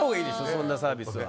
そんなサービスは。